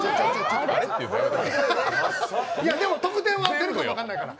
でも得点は出るかも分かんないから。